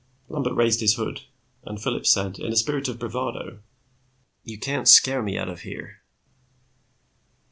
Lambert raised his hood, and Phillips said, in a spirit of bravado, "You can't scare me out of here."